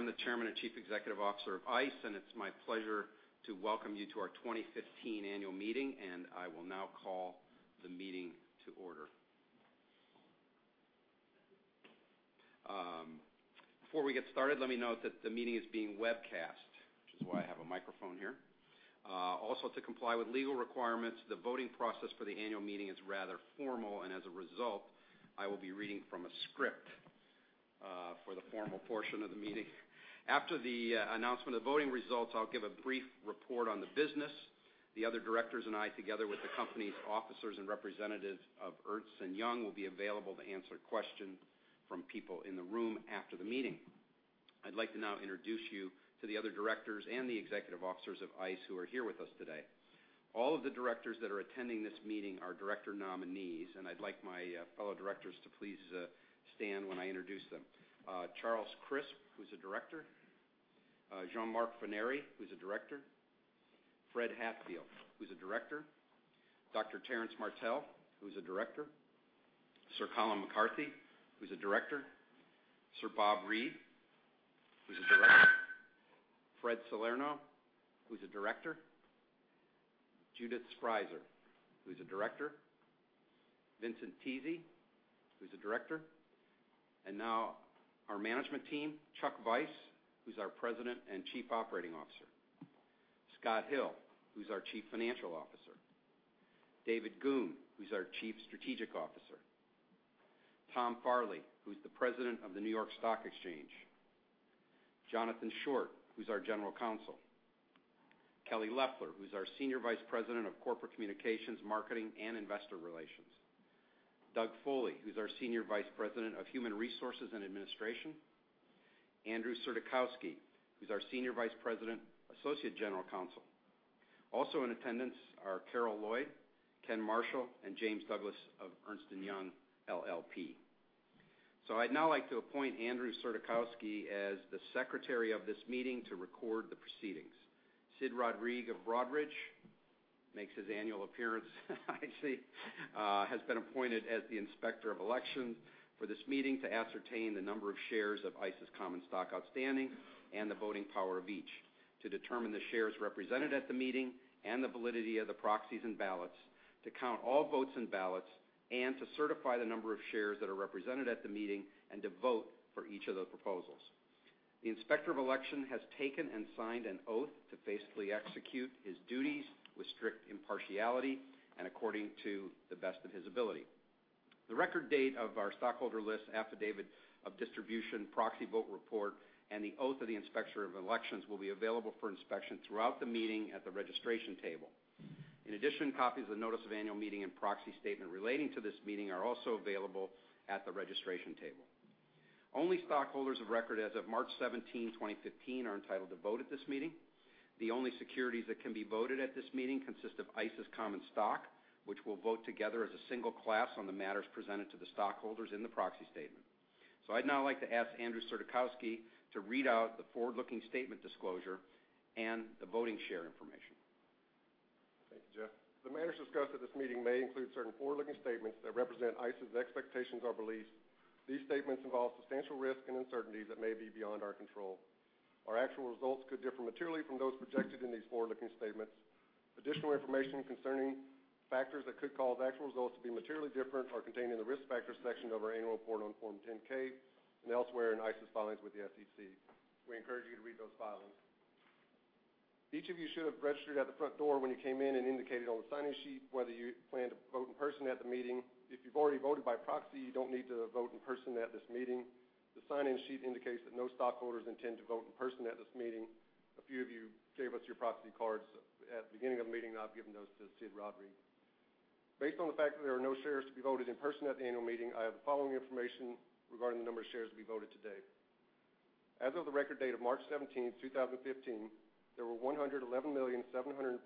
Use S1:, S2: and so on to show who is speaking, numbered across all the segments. S1: I'm the Chairman and Chief Executive Officer of ICE. It's my pleasure to welcome you to our 2015 annual meeting. I will now call the meeting to order. Before we get started, let me note that the meeting is being webcast, which is why I have a microphone here. To comply with legal requirements, the voting process for the annual meeting is rather formal. As a result, I will be reading from a script for the formal portion of the meeting. After the announcement of the voting results, I'll give a brief report on the business. The other directors and I, together with the company's officers and representatives of Ernst & Young, will be available to answer questions from people in the room after the meeting. I'd like to now introduce you to the other directors and the executive officers of ICE who are here with us today. All of the directors that are attending this meeting are director nominees. I'd like my fellow directors to please stand when I introduce them. Charles Crisp, who's a director. Jean-Marc Forneri, who's a director. Fred Hatfield, who's a director. Dr. Terrence Martell, who's a director. Sir Colin McCarthy, who's a director. Sir Bob Reid, who's a director. Frederic Salerno, who's a director. Judith Sprieser, who's a director. Vincent Tese, who's a director. Now our management team. Chuck Vice, who's our President and Chief Operating Officer. Scott Hill, who's our Chief Financial Officer. David Goone, who's our Chief Strategic Officer. Tom Farley, who's the President of the New York Stock Exchange. Jonathan Short, who's our General Counsel. Kelly Loeffler, who's our Senior Vice President of Corporate Communications, Marketing, and Investor Relations. Douglas Foley, who's our Senior Vice President of Human Resources and Administration. Andrew Surdykowski, who's our Senior Vice President, Associate General Counsel. In attendance are Karole Lloyd, Ken Marshall, and James Douglas of Ernst & Young LLP. I'd now like to appoint Andrew Surdykowski as the secretary of this meeting to record the proceedings. Sid Rodrigue of Rodrigue makes his annual appearance I see, has been appointed as the Inspector of Election for this meeting to ascertain the number of shares of ICE's common stock outstanding and the voting power of each, to determine the shares represented at the meeting and the validity of the proxies and ballots, to count all votes and ballots, and to certify the number of shares that are represented at the meeting and to vote for each of those proposals. The Inspector of Election has taken and signed an oath to basically execute his duties with strict impartiality and according to the best of his ability. The record date of our stockholder list, affidavit of distribution, proxy vote report, and the oath of the Inspector of Elections will be available for inspection throughout the meeting at the registration table. In addition, copies of the notice of annual meeting and proxy statement relating to this meeting are also available at the registration table. Only stockholders of record as of March 17, 2015, are entitled to vote at this meeting. The only securities that can be voted at this meeting consist of ICE's common stock, which will vote together as a single class on the matters presented to the stockholders in the proxy statement. I'd now like to ask Andrew Surdykowski to read out the forward-looking statement disclosure and the voting share information.
S2: Thank you, Jeff. The matters discussed at this meeting may include certain forward-looking statements that represent ICE's expectations or beliefs. These statements involve substantial risk and uncertainties that may be beyond our control. Our actual results could differ materially from those projected in these forward-looking statements. Additional information concerning factors that could cause actual results to be materially different are contained in the Risk Factors section of our annual report on Form 10-K and elsewhere in ICE's filings with the SEC. We encourage you to read those filings. Each of you should have registered at the front door when you came in and indicated on the sign-in sheet whether you plan to vote in person at the meeting. If you've already voted by proxy, you don't need to vote in person at this meeting. The sign-in sheet indicates that no stockholders intend to vote in person at this meeting. A few of you gave us your proxy cards at the beginning of the meeting, and I've given those to Sid Rodrigue. Based on the fact that there are no shares to be voted in person at the annual meeting, I have the following information regarding the number of shares to be voted today. As of the record date of March 17th, 2015, there were 111,753,632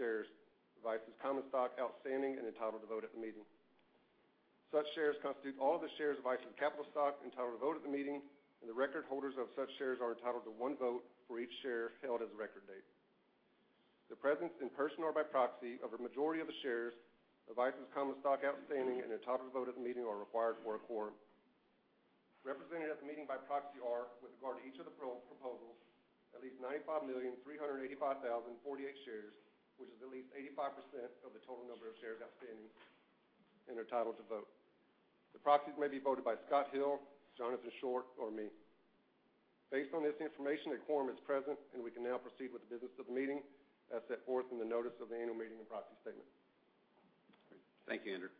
S2: shares of ICE's common stock outstanding and entitled to vote at the meeting. Such shares constitute all of the shares of ICE's capital stock entitled to vote at the meeting, and the record holders of such shares are entitled to one vote for each share held as of record date. The presence in person or by proxy of a majority of the shares of ICE's common stock outstanding and entitled to vote at the meeting are required for a quorum. Represented at the meeting by proxy are, with regard to each of the proposals, at least 95,385,048 shares, which is at least 85% of the total number of shares outstanding and entitled to vote. The proxies may be voted by Scott Hill, Johnathan Short, or me. Based on this information, a quorum is present, and we can now proceed with the business of the meeting as set forth in the notice of the annual meeting and proxy statement.
S1: Thank you, Andrew.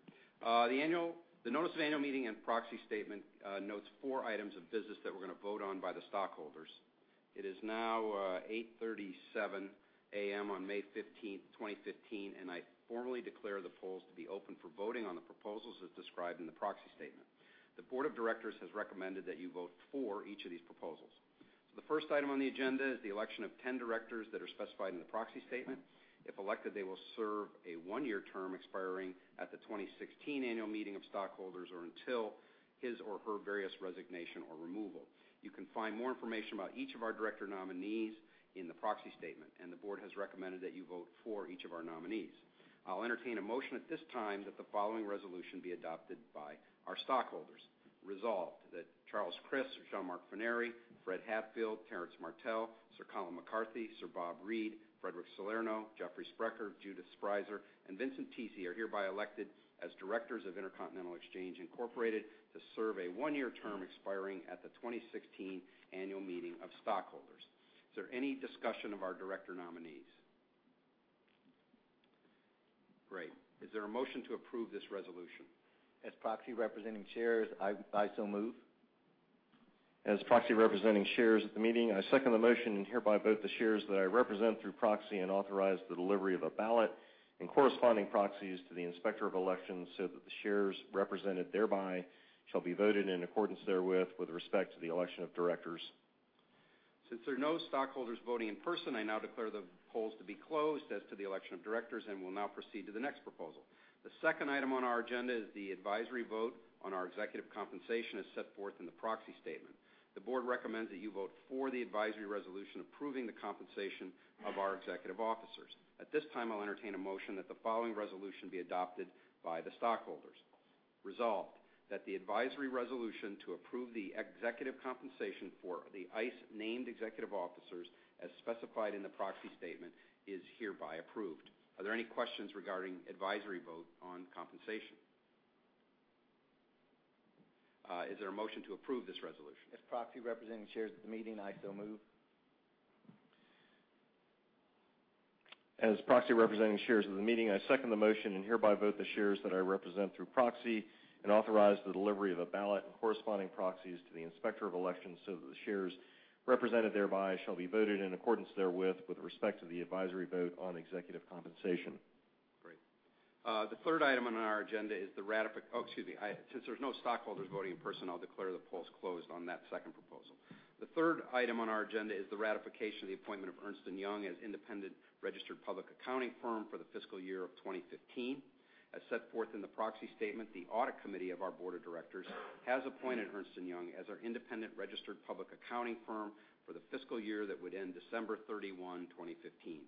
S1: The notice of annual meeting and proxy statement notes four items of business that we're going to vote on by the stockholders. It is now 8:37 A.M. on May 15th, 2015, and I formally declare the polls to be open for voting on the proposals as described in the proxy statement. The board of directors has recommended that you vote for each of these proposals. The first item on the agenda is the election of 10 directors that are specified in the proxy statement. If elected, they will serve a one-year term expiring at the 2016 annual meeting of stockholders or until his or her various resignation or removal. You can find more information about each of our director nominees in the proxy statement, and the board has recommended that you vote for each of our nominees. I'll entertain a motion at this time that the following resolution be adopted by our stockholders. Resolved, that Charles Crisp, Jean-Marc Forneri, Fred Hatfield, Terrence Martell, Colin McCarthy, Bob Reid, Frederic Salerno, Jeffrey Sprecher, Judith Sprieser, and Vincent Tese are hereby elected as directors of Intercontinental Exchange, Inc. to serve a one-year term expiring at the 2016 annual meeting of stockholders. Is there any discussion of our director nominees? Great. Is there a motion to approve this resolution?
S2: As proxy representing shares, I so move.
S3: As proxy representing shares at the meeting, I second the motion and hereby vote the shares that I represent through proxy and authorize the delivery of a ballot and corresponding proxies to the Inspector of Election so that the shares represented thereby shall be voted in accordance therewith with respect to the election of directors.
S1: Since there are no stockholders voting in person, I now declare the polls to be closed as to the election of directors and will now proceed to the next proposal. The second item on our agenda is the advisory vote on our executive compensation as set forth in the proxy statement. The board recommends that you vote for the advisory resolution approving the compensation of our executive officers. At this time, I'll entertain a motion that the following resolution be adopted by the stockholders. Resolved, that the advisory resolution to approve the executive compensation for the ICE-named executive officers, as specified in the proxy statement, is hereby approved. Are there any questions regarding advisory vote on compensation? Is there a motion to approve this resolution?
S2: As proxy representing shares at the meeting, I so move.
S3: As proxy representing shares of the meeting, I second the motion and hereby vote the shares that I represent through proxy and authorize the delivery of a ballot and corresponding proxies to the Inspector of Election so that the shares represented thereby shall be voted in accordance therewith with respect to the advisory vote on executive compensation.
S1: Great. Since there's no stockholders voting in person, I'll declare the polls closed on that second proposal. The third item on our agenda is the ratification of the appointment of Ernst & Young as independent registered public accounting firm for the fiscal year of 2015. As set forth in the proxy statement, the audit committee of our board of directors has appointed Ernst & Young as our independent registered public accounting firm for the fiscal year that would end December 31, 2015.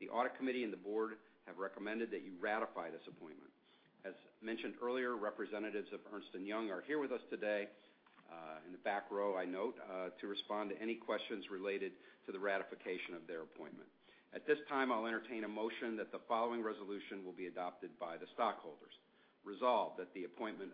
S1: The audit committee and the board have recommended that you ratify this appointment. As mentioned earlier, representatives of Ernst & Young are here with us today, in the back row I note, to respond to any questions related to the ratification of their appointment. At this time, I'll entertain a motion that the following resolution will be adopted by the stockholders. Resolved, that the appointment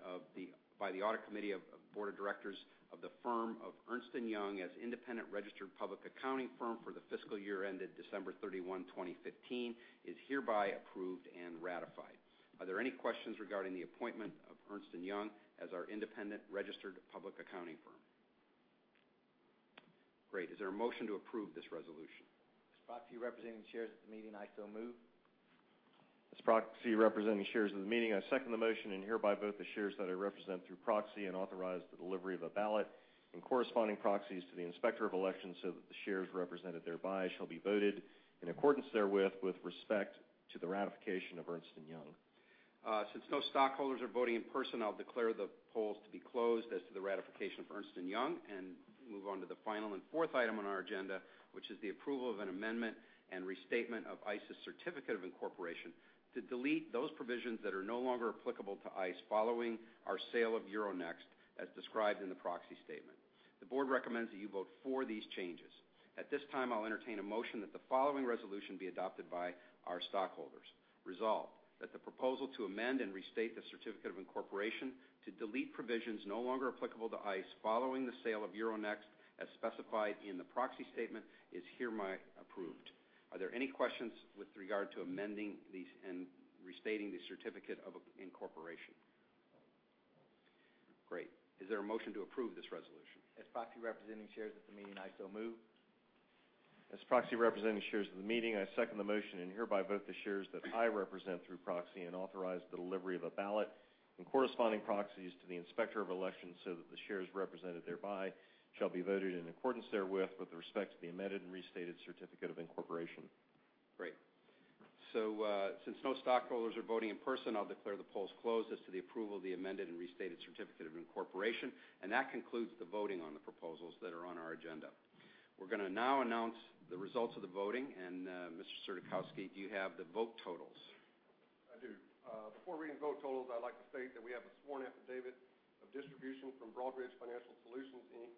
S1: by the audit committee of board of directors of the firm of Ernst & Young as independent registered public accounting firm for the fiscal year ended December 31, 2015, is hereby approved and ratified. Are there any questions regarding the appointment of Ernst & Young as our independent registered public accounting firm? Great. Is there a motion to approve this resolution?
S2: As proxy representing shares at the meeting, I so move.
S3: As proxy representing shares of the meeting, I second the motion and hereby vote the shares that I represent through proxy and authorize the delivery of a ballot and corresponding proxies to the Inspector of Elections so that the shares represented thereby shall be voted in accordance therewith with respect to the ratification of Ernst & Young.
S1: Since no stockholders are voting in person, I'll declare the polls to be closed as to the ratification of Ernst & Young and move on to the final and fourth item on our agenda, which is the approval of an amendment and restatement of ICE's certificate of incorporation to delete those provisions that are no longer applicable to ICE following our sale of Euronext, as described in the proxy statement. The board recommends that you vote for these changes. At this time, I'll entertain a motion that the following resolution be adopted by our stockholders. Resolved, that the proposal to amend and restate the certificate of incorporation to delete provisions no longer applicable to ICE following the sale of Euronext, as specified in the proxy statement, is hereby approved. Are there any questions with regard to amending these and restating the certificate of incorporation? Great. Is there a motion to approve this resolution?
S2: As proxy representing shares at the meeting, I so move.
S3: As proxy representing shares of the meeting, I second the motion and hereby vote the shares that I represent through proxy and authorize the delivery of a ballot and corresponding proxies to the Inspector of Elections so that the shares represented thereby shall be voted in accordance therewith with respect to the amended and restated certificate of incorporation.
S1: Great. Since no stockholders are voting in person, I'll declare the polls closed as to the approval of the amended and restated certificate of incorporation, that concludes the voting on the proposals that are on our agenda. We're going to now announce the results of the voting, Mr. Surdykowski, do you have the vote totals?
S2: I do. Before reading vote totals, I'd like to state that we have a sworn affidavit of distribution from Broadridge Financial Solutions, Inc.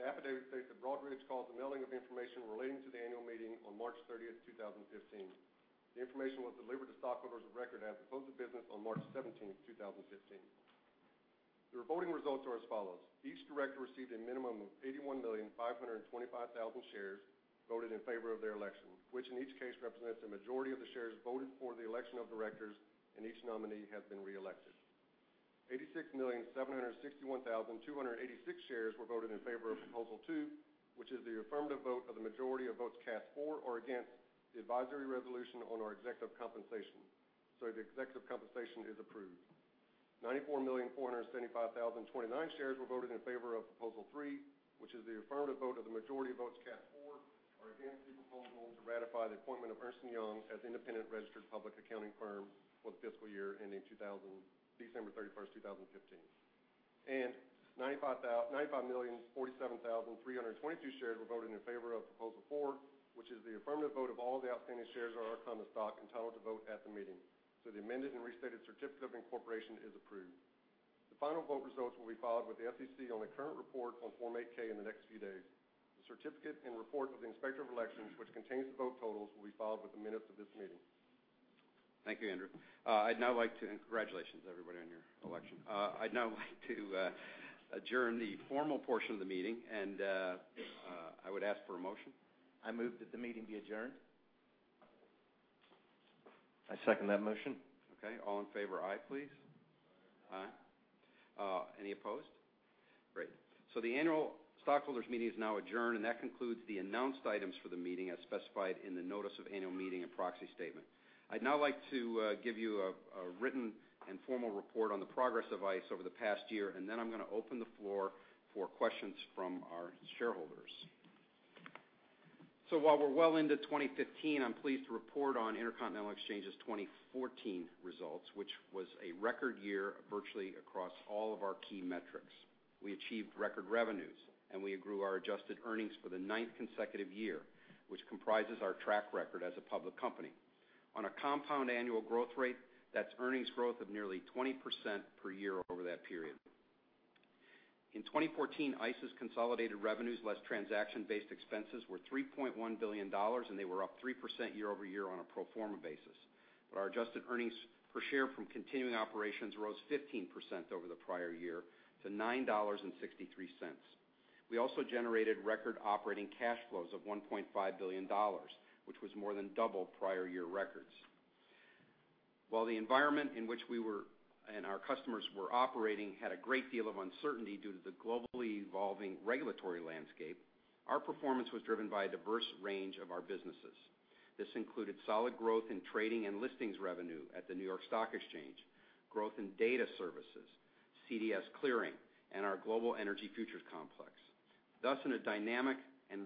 S2: The affidavit states that Broadridge caused the mailing of information relating to the annual meeting on March 30th, 2015. The information was delivered to stockholders of record as of the close of business on March 17th, 2015. Your voting results are as follows. Each director received a minimum of 81,525,000 shares voted in favor of their election, which in each case represents a majority of the shares voted for the election of directors, and each nominee has been reelected. 86,761,286 shares were voted in favor of Proposal 2, which is the affirmative vote of the majority of votes cast for or against the advisory resolution on our executive compensation. The executive compensation is approved. 94,475,029 shares were voted in favor of Proposal 3, which is the affirmative vote of the majority of votes cast for or against the proposal to ratify the appointment of Ernst & Young as independent registered public accounting firm for the fiscal year ending December 31st, 2015. 95,047,322 shares were voted in favor of Proposal 4, which is the affirmative vote of all the outstanding shares of our common stock entitled to vote at the meeting. The amended and restated certificate of incorporation is approved. The final vote results will be filed with the SEC on the current report on Form 8-K in the next few days. The certificate and report of the Inspector of Elections, which contains the vote totals, will be filed with the minutes of this meeting.
S1: Thank you, Andrew. Congratulations, everybody, on your election. I'd now like to adjourn the formal portion of the meeting, and I would ask for a motion.
S4: I move that the meeting be adjourned.
S3: I second that motion.
S1: All in favor, aye, please.
S5: Aye.
S1: Any opposed? Great. The annual stockholders meeting is now adjourned, that concludes the announced items for the meeting as specified in the notice of annual meeting and proxy statement. I'd now like to give you a written and formal report on the progress of ICE over the past year, then I'm going to open the floor for questions from our shareholders. While we're well into 2015, I'm pleased to report on Intercontinental Exchange's 2014 results, which was a record year virtually across all of our key metrics. We achieved record revenues, we grew our adjusted earnings for the ninth consecutive year, which comprises our track record as a public company. On a compound annual growth rate, that's earnings growth of nearly 20% per year over that period. In 2014, ICE's consolidated revenues less transaction-based expenses were $3.1 billion, they were up 3% year-over-year on a pro forma basis. Our adjusted earnings per share from continuing operations rose 15% over the prior year to $9.63. We also generated record operating cash flows of $1.5 billion, which was more than double prior year records. While the environment in which we were, and our customers were operating had a great deal of uncertainty due to the globally evolving regulatory landscape, our performance was driven by a diverse range of our businesses. This included solid growth in trading and listings revenue at the New York Stock Exchange, growth in data services, CDS clearing, and our global energy futures complex. Thus, in a dynamic and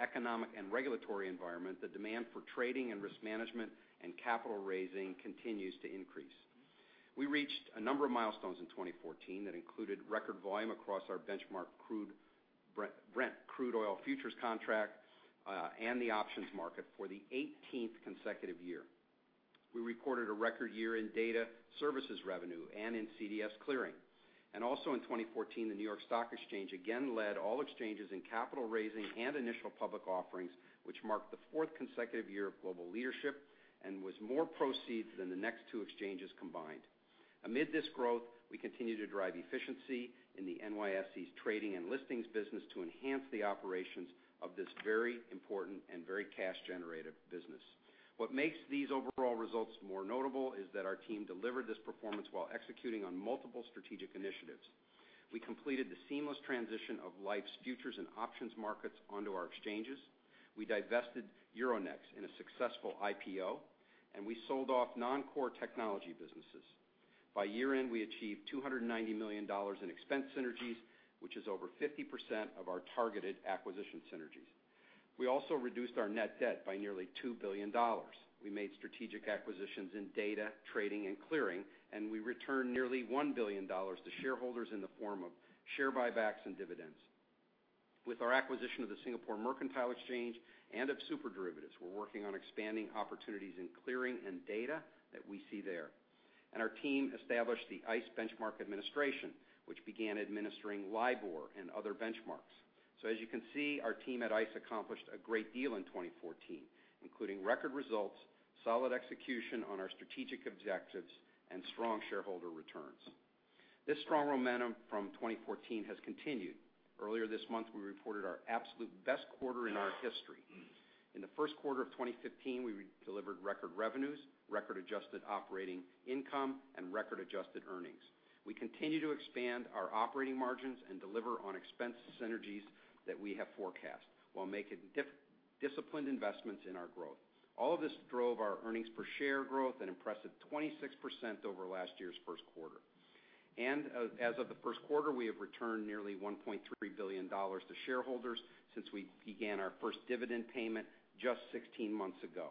S1: economic and regulatory environment, the demand for trading and risk management and capital raising continues to increase. We reached a number of milestones in 2014 that included record volume across our benchmark Brent Crude Oil futures contract, and the options market for the 18th consecutive year. We recorded a record year in data services revenue and in CDS clearing. Also in 2014, the New York Stock Exchange again led all exchanges in capital raising and initial public offerings, which marked the fourth consecutive year of global leadership and was more proceeds than the next two exchanges combined. Amid this growth, we continue to drive efficiency in the NYSE's trading and listings business to enhance the operations of this very important and very cash-generative business. What makes these overall results more notable is that our team delivered this performance while executing on multiple strategic initiatives. We completed the seamless transition of Liffe's futures and options markets onto our exchanges. We divested Euronext in a successful IPO, we sold off non-core technology businesses. By year-end, we achieved $290 million in expense synergies, which is over 50% of our targeted acquisition synergies. We also reduced our net debt by nearly $2 billion. We made strategic acquisitions in data, trading, and clearing, and we returned nearly $1 billion to shareholders in the form of share buybacks and dividends. With our acquisition of the Singapore Mercantile Exchange and of SuperDerivatives, we're working on expanding opportunities in clearing and data that we see there. Our team established the ICE Benchmark Administration, which began administering LIBOR and other benchmarks. As you can see, our team at ICE accomplished a great deal in 2014, including record results, solid execution on our strategic objectives, and strong shareholder returns. This strong momentum from 2014 has continued. Earlier this month, we reported our absolute best quarter in our history. In the first quarter of 2015, we delivered record revenues, record adjusted operating income, and record adjusted earnings. We continue to expand our operating margins and deliver on expense synergies that we have forecast while making disciplined investments in our growth. All of this drove our earnings per share growth an impressive 26% over last year's first quarter. As of the first quarter, we have returned nearly $1.3 billion to shareholders since we began our first dividend payment just 16 months ago.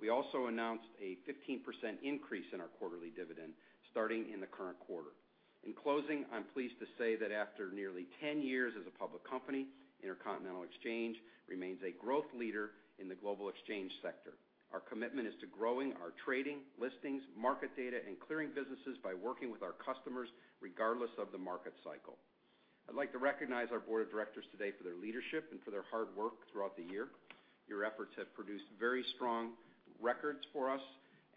S1: We also announced a 15% increase in our quarterly dividend starting in the current quarter. In closing, I'm pleased to say that after nearly 10 years as a public company, Intercontinental Exchange remains a growth leader in the global exchange sector. Our commitment is to growing our trading, listings, market data, and clearing businesses by working with our customers regardless of the market cycle. I'd like to recognize our board of directors today for their leadership and for their hard work throughout the year. Your efforts have produced very strong records for us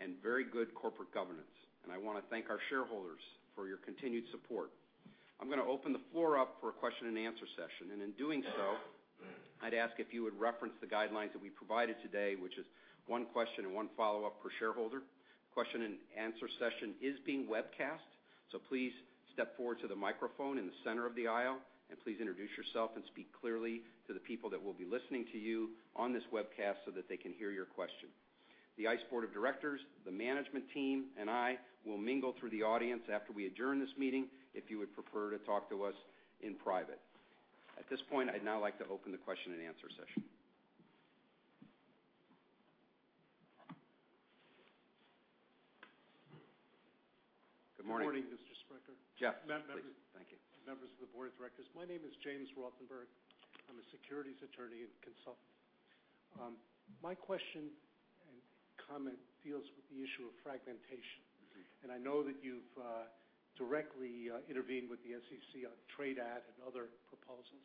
S1: and very good corporate governance. I want to thank our shareholders for your continued support. I'm going to open the floor up for a question and answer session. In doing so, I'd ask if you would reference the guidelines that we provided today, which is one question and one follow-up per shareholder. Question and answer session is being webcast. Please step forward to the microphone in the center of the aisle. Please introduce yourself and speak clearly to the people that will be listening to you on this webcast so that they can hear your question. The ICE board of directors, the management team, and I will mingle through the audience after we adjourn this meeting, if you would prefer to talk to us in private. At this point, I'd now like to open the question and answer session. Good morning.
S6: Good morning, Mr. Sprecher.
S1: Jeff, please. Thank you.
S6: Members of the board of directors. My name is James Rothenberg. I'm a securities attorney and consultant. My question and comment deals with the issue of fragmentation. I know that you've directly intervened with the SEC on trade-at and other proposals.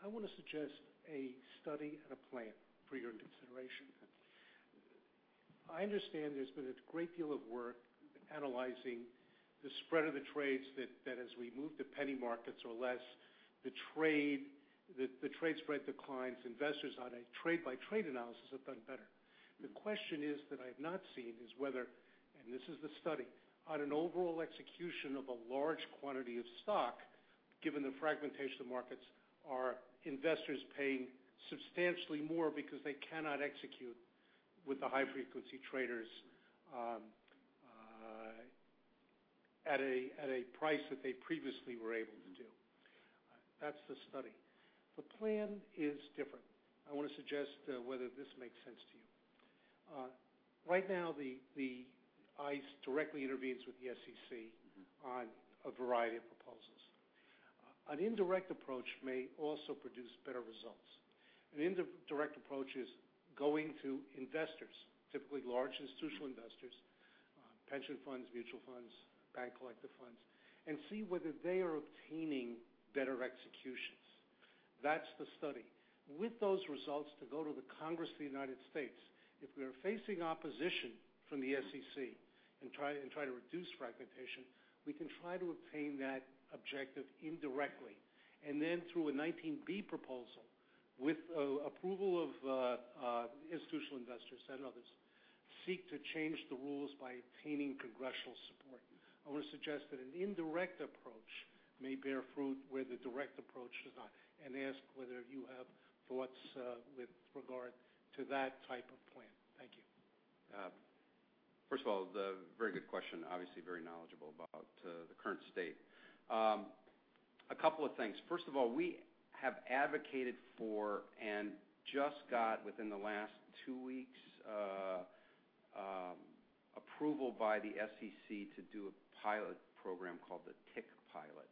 S6: I want to suggest a study and a plan for your consideration. I understand there's been a great deal of work analyzing the spread of the trades that as we move to penny markets or less, the trade spread declines. Investors on a trade-by-trade analysis have done better. The question is, that I've not seen, is whether, and this is the study, on an overall execution of a large quantity of stock, given the fragmentation of the markets, are investors paying substantially more because they cannot execute with the high-frequency traders at a price that they previously were able to do? That's the study. The plan is different. I want to suggest whether this makes sense to you. Right now, the ICE directly intervenes with the SEC on a variety of proposals. An indirect approach may also produce better results. An indirect approach is going to investors, typically large institutional investors, pension funds, mutual funds, bank collected funds, and see whether they are obtaining better executions. That's the study. With those results, to go to the Congress of the U.S., if we are facing opposition from the SEC in trying to reduce fragmentation, we can try to obtain that objective indirectly. Then through a 19b-4 proposal, with approval of institutional investors and others, seek to change the rules by obtaining congressional support. I want to suggest that an indirect approach may bear fruit where the direct approach does not, and ask whether you have thoughts with regard to that type of plan. Thank you.
S1: First of all, very good question. Obviously very knowledgeable about the current state. A couple of things. First of all, we have advocated for, and just got within the last 2 weeks, approval by the SEC to do a pilot program called the Tick Pilot.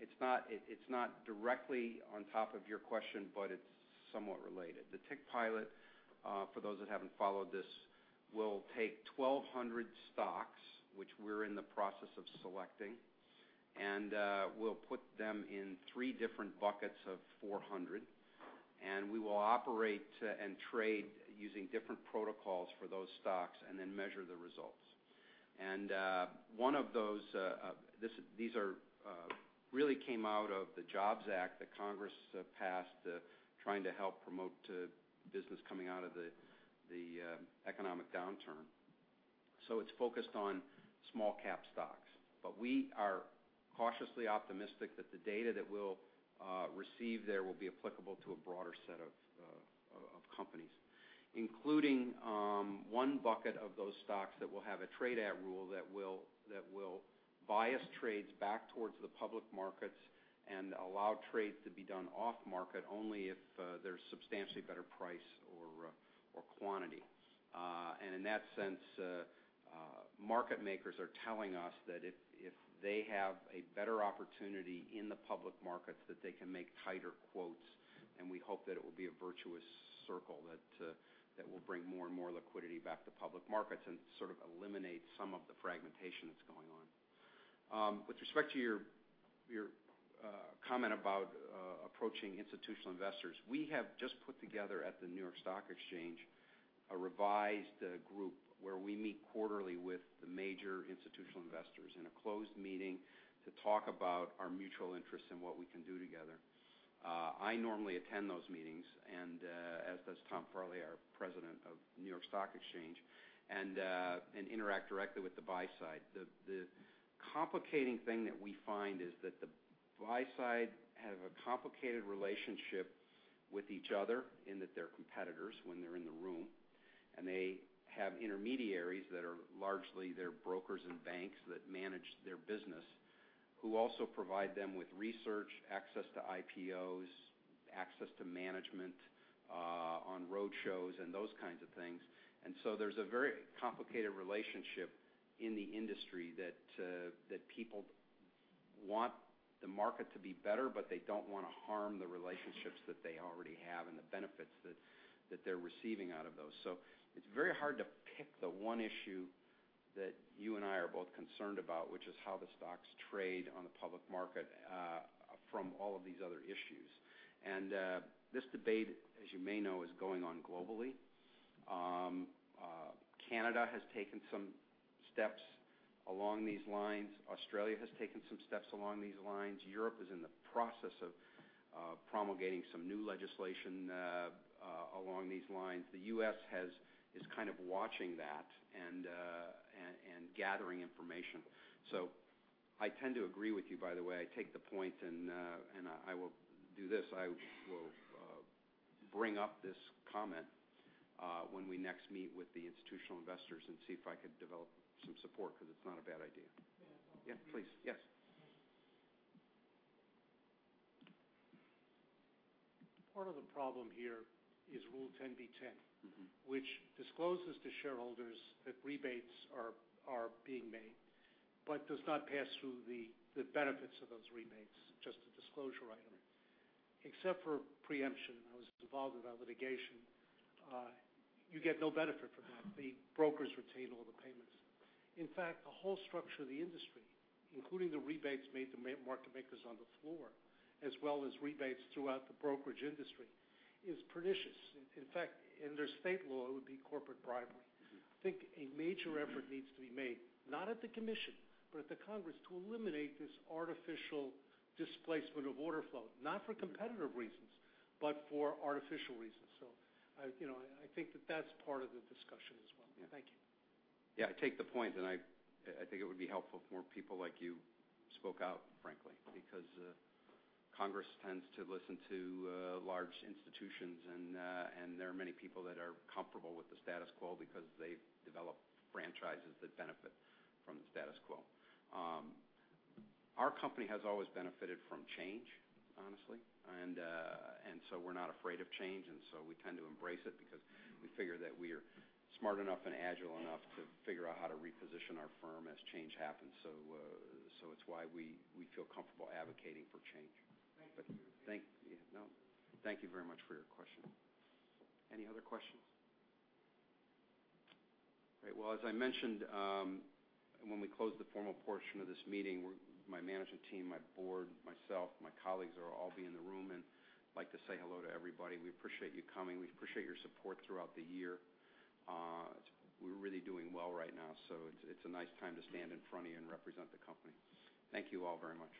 S1: It's not directly on top of your question, but it's somewhat related. The Tick Pilot, for those that haven't followed this, will take 1,200 stocks, which we're in the process of selecting, and we'll put them in 3 different buckets of 400. We will operate and trade using different protocols for those stocks, then measure the results. These really came out of the Jobs Act that Congress passed, trying to help promote business coming out of the economic downturn. It's focused on small-cap stocks. We are cautiously optimistic that the data that we'll receive there will be applicable to a broader set of companies. Including 1 bucket of those stocks that will have a trade-at rule that will bias trades back towards the public markets and allow trades to be done off-market only if there's substantially better price or quantity. In that sense, market makers are telling us that if they have a better opportunity in the public markets, that they can make tighter quotes. We hope that it will be a virtuous circle that will bring more and more liquidity back to public markets and sort of eliminate some of the fragmentation that's going on. With respect to your comment about approaching institutional investors, we have just put together at the New York Stock Exchange, a revised group where we meet quarterly with the major institutional investors in a closed meeting to talk about our mutual interests and what we can do together. I normally attend those meetings, as does Tom Farley, our president of New York Stock Exchange, and interact directly with the buy side. The complicating thing that we find is that the buy side have a complicated relationship with each other in that they're competitors when they're in the room, and they have intermediaries that are largely their brokers and banks that manage their business, who also provide them with research, access to IPOs, access to management on road shows, and those kinds of things. There's a very complicated relationship in the industry that people want the market to be better, but they don't want to harm the relationships that they already have and the benefits that they're receiving out of those. It's very hard to pick the one issue that you and I are both concerned about, which is how the stocks trade on the public market, from all of these other issues. This debate, as you may know, is going on globally. Canada has taken some steps along these lines. Australia has taken some steps along these lines. Europe is in the process of promulgating some new legislation along these lines. The U.S. is kind of watching that and gathering information. I tend to agree with you, by the way. I take the point, and I will do this. I will bring up this comment when we next meet with the institutional investors and see if I could develop some support, because it's not a bad idea.
S6: May I follow up?
S1: Yeah, please. Yes.
S6: Part of the problem here is Rule 10b-10, which discloses to shareholders that rebates are being made, but does not pass through the benefits of those rebates, just a disclosure item. Except for preemption, I was involved with that litigation. You get no benefit from that. The brokers retain all the payments. In fact, the whole structure of the industry, including the rebates made to market makers on the floor, as well as rebates throughout the brokerage industry, is pernicious. In fact, under state law, it would be corporate bribery. I think a major effort needs to be made, not at the commission, but at the Congress to eliminate this artificial displacement of order flow, not for competitive reasons, but for artificial reasons. I think that that's part of the discussion as well. Thank you.
S1: Yeah, I take the point, and I think it would be helpful if more people like you spoke out frankly, because Congress tends to listen to large institutions, and there are many people that are comfortable with the status quo because they've developed franchises that benefit from the status quo. Our company has always benefited from change, honestly. We're not afraid of change, and so we tend to embrace it because we figure that we are smart enough and agile enough to figure out how to reposition our firm as change happens. It's why we feel comfortable advocating for change.
S6: Thank you.
S1: Thank you very much for your question. Any other questions? Great. As I mentioned, when we close the formal portion of this meeting, my management team, my board, myself, my colleagues will all be in the room and like to say hello to everybody. We appreciate you coming. We appreciate your support throughout the year. We're really doing well right now, so it's a nice time to stand in front of you and represent the company. Thank you all very much.